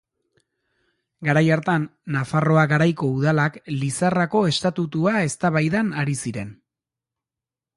Garai hartan, Nafarroa Garaiko udalak Lizarrako estatutua eztabaidan ari ziren.